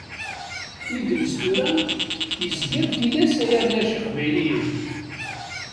Idles tura izger tilas ay arrac iqbayliyen.